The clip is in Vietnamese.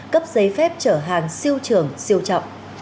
cấp giấy phép chở hàng siêu trưởng siêu trọng